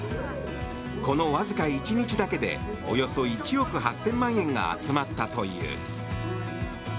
このわずか１日だけでおよそ１億８０００万円が集まったという。